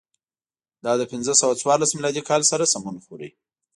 دا له پنځه سوه څوارلس میلادي کال سره سمون خوري.